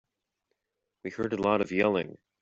We heard a lot of yelling.